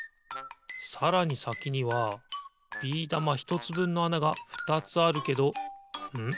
さらにさきにはビー玉ひとつぶんのあながふたつあるけどん？